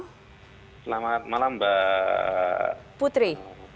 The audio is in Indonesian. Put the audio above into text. selamat malam mbak putri